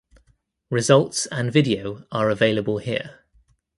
Results and video are available here.